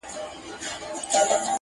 ځکه د دوی په ذوق